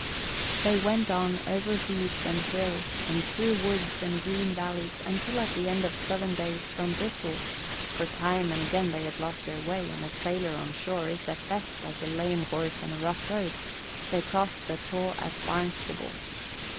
They went on over heath and hill and through woods and green valleys until at the end of seven days from Bristol for time and again they had lost their way, and a sailor on shore is at best like a lame horse on a rough road they crossed the Taw at Barnstable.